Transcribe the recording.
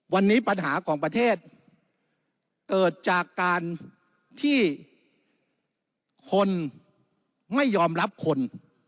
วันนี้ปัญหาของประเทศเกิดจากการที่คนไม่ยอมรับคน